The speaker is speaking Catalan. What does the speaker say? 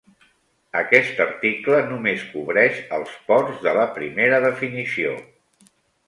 Aquest article només cobreix els ports de la primera definició.